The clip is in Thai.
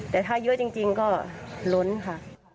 แต่ถ้าเยอะจริงก็ล้นค่ะ